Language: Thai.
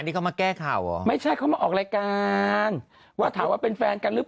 นี่เขามาแก้ข่าวเหรอไม่ใช่เขามาออกรายการว่าถามว่าเป็นแฟนกันหรือเปล่า